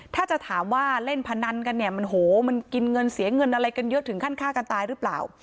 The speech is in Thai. ถ้าจะถามว่าเล่นพนันกันเนี่ยมันโหมันกินเงินเสียเงินอะไรกันเยอะถึงขั้นฆ่ากันตายหรือเปล่า